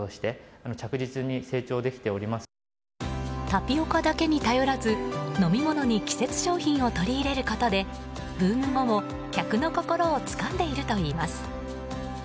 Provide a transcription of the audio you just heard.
タピオカだけに頼らず飲み物に季節商品を取り入れることでブーム後も客の心をつかんでいるといいます。